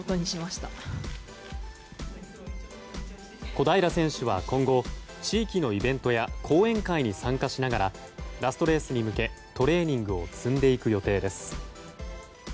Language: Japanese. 小平選手は今後地域のイベントや講演会に参加しながらラストレースに向けトレーニングを積んでいく予定です。